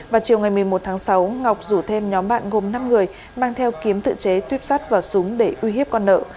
vào chiều ngày một mươi một tháng sáu ngọc rủ thêm nhóm bạn gồm năm người mang theo kiếm tự chế tuyếp sắt vào súng để uy hiếp con nợ